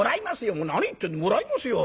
もう何言ってもらいますよ。